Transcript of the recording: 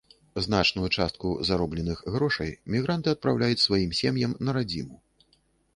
Значную частку заробленых грошай мігранты адпраўляюць сваім сем'ям на радзіму.